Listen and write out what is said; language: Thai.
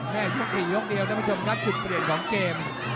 แค่๔ยกนี้ครับแต่เจอจุดประเด็นของเกม